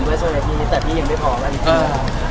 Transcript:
แต่พี่ยัยไม่พอ